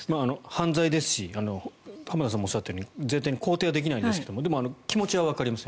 犯罪ですし浜田さんもおっしゃったように絶対に肯定はできないんですけど気持ちはわかります。